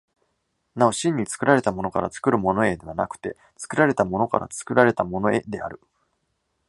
なお真に作られたものから作るものへではなくて、作られたものから作られたものへである。